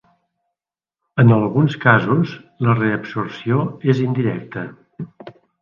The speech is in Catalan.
En alguns casos, la reabsorció és indirecta.